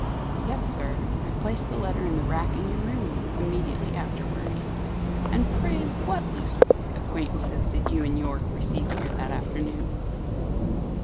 "Yes, sir. I placed the letter in the rack in your room, immediately afterwards." "And, pray, what loose acquaintances did you and Yorke receive here that afternoon?"